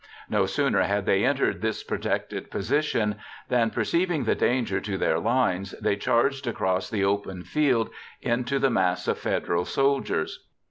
No sooner had they entered this protected position than, perceiving the danger to their lines, they charged across the open field into the mass of Federal soldiers.